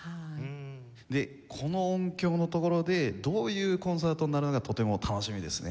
でこの音響の所でどういうコンサートになるのかとても楽しみですね。